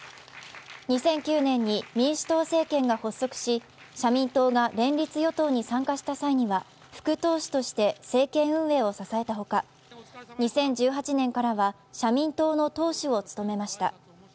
２００９年に民主党政権が発足し社民党が連立与党に参加した際には副党首として政権運営を支えたほか、２０１８年からは社民党の党首を務めました。